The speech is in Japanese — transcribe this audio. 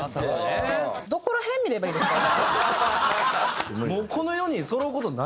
どこら辺見ればいいですか？